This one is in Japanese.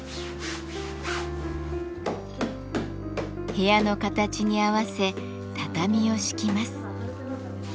部屋の形に合わせ畳を敷きます。